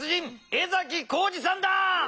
江崎浩司さんだ。